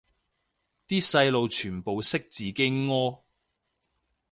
啲細路全部識自己屙